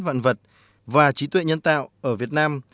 các doanh nghiệp vận vật và trí tuệ nhân tạo ở việt nam